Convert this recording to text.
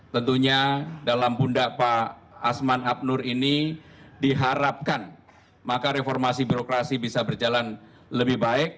tentunya dalam bunda pak asman abnur ini diharapkan maka reformasi birokrasi bisa berjalan lebih baik